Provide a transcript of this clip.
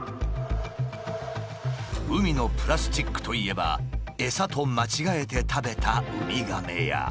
海のプラスチックといえば餌と間違えて食べたウミガメや。